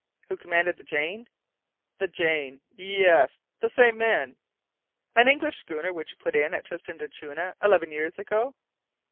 "Who commanded the Jane?" "The Jane? Yes. The same man." "An English schooner which put in at Tristan d'Acunha eleven years ago?"